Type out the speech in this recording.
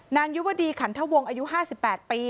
ยุวดีขันทวงอายุ๕๘ปี